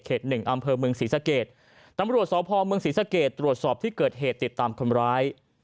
หนึ่งอำเภอเมืองศรีสะเกดตำรวจสพเมืองศรีสะเกดตรวจสอบที่เกิดเหตุติดตามคนร้าย